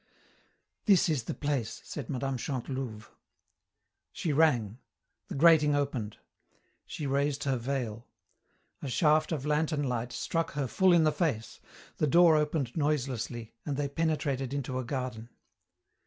"This is the place," said Mme. Chantelouve. She rang. The grating opened. She raised her veil. A shaft of lantern light struck her full in the face, the door opened noiselessly, and they penetrated into a garden.